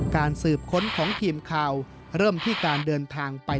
การสืบค้นของทีมข่าวเริ่มที่การเดินทางไป